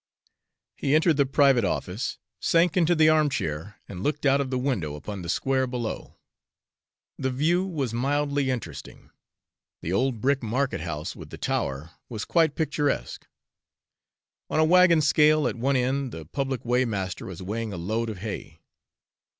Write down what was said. He entered the private office, sank into the armchair, and looked out of the window upon the square below. The view was mildly interesting. The old brick market house with the tower was quite picturesque. On a wagon scale at one end the public weighmaster was weighing a load of hay.